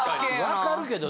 わかるけど。